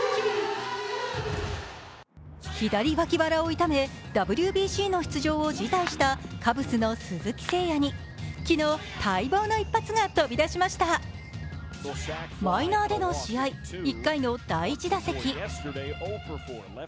左脇腹を痛めＷＢＣの出場を辞退したカブスの鈴木誠也に昨日、待望の一発が飛び出しましたマイナーでの試合、１回の第１打席。